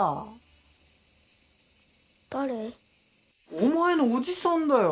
お前のおじさんだよ